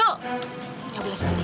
nggak boleh sekali lagi